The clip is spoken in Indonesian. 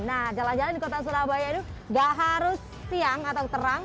nah jalan jalan di kota surabaya itu gak harus siang atau terang